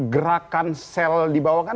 gerakan sel dibawah kan